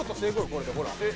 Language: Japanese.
これでほら。